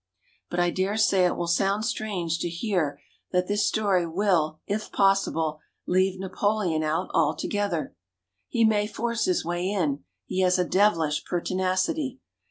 But I dare say it will sound strange to hear that this story will if possible leave Napoleon out altogether. He may force his way in. He has a devilish pertinacity.